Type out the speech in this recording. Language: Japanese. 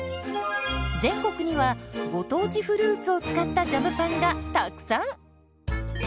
全国にはご当地フルーツを使ったジャムパンがたくさん！